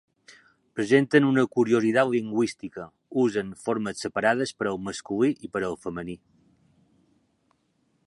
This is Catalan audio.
Presenten una curiositat lingüística: usen formes separades per al masculí i per al femení.